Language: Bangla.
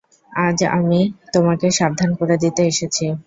আমি আজ তোমাকে সাবধান করে দিতে এসেছি।